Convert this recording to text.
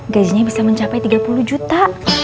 gajinya bisa mencapai tiga puluh juta